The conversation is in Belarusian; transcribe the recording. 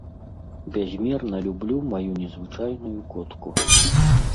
Бязмерна люблю маю незвычайную котку.